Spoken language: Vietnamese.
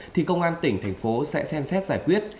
thì công an tỉnh thành phố sẽ xem xét giải quyết